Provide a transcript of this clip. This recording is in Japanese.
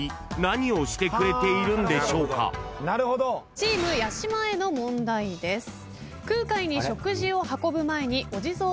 チーム八嶋への問題です。え！